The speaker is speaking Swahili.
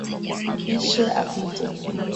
Mpishe apite.